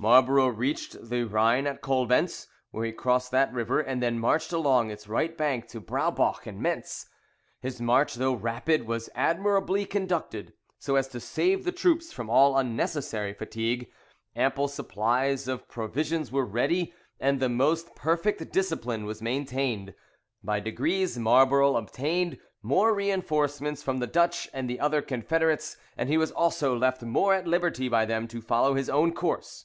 [Coxe.] Marlborough reached the Rhine at Coblentz, where he crossed that river, and then marched along its right bank to Broubach and Mentz. His march, though rapid, was admirably conducted, so as to save the troops from all unnecessary fatigue; ample supplies of provisions were ready, and the most perfect discipline was maintained. By degrees Marlborough obtained more reinforcements from the Dutch and the other confederates, and he also was left more at liberty by them to follow his own course.